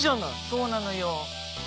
そうなのよ。